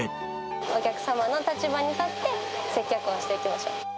お客様の立場に立って、接客をしていきましょう。